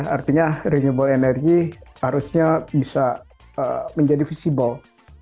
artinya renewable energy harusnya bisa menjadi visible